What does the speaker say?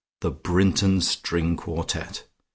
The Brinton string quartet!